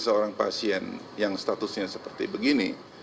seorang pasien yang statusnya seperti begini